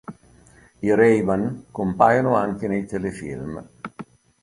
I Ray ban compaiono anche nei telefilm.